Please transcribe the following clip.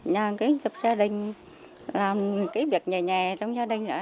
nhà giúp gia đình làm việc nhẹ nhàng trong gia đình